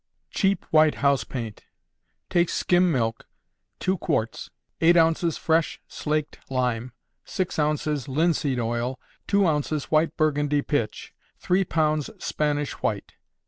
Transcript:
Cheap White House Paint. Take skim milk, two quarts, eight ounces fresh slaked lime, six ounces linseed oil; two ounces white Burgundy pitch, three pounds Spanish white.